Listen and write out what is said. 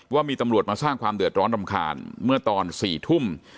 ว่ามีตำรวจมาสร้างความเดือดร้อนรำคาญเมื่อตอน๔ทุ่ม